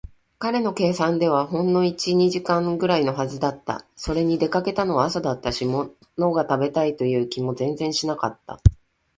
彼の計算ではほんの一、二時間ぐらいのはずだった。それに、出かけたのは朝だったし、ものが食べたいという気も全然しなかった。